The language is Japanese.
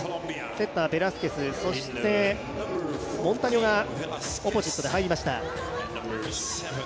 セッター、ベラスケス、そしてモンタニョがオポジットで入りました。